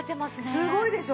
すごいでしょ。